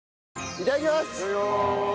いただきます。